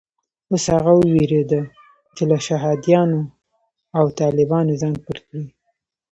اوس هغه وېرېده چې له شهادیانو او طالبانو ځان پټ کړي.